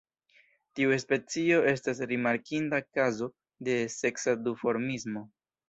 Tiu specio estas rimarkinda kazo de seksa duformismo.